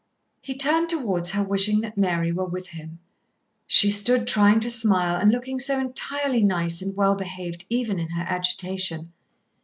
He turned towards her, wishing that Mary were with him. She stood trying to smile, and looking so entirely nice and well behaved even in her agitation.